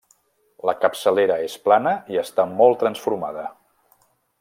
La capçalera és plana i està molt transformada.